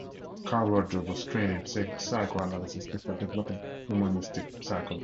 Carl Rogers was trained in psychoanalysis before developing humanistic psychology.